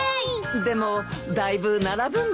でもだいぶ並ぶんだろ？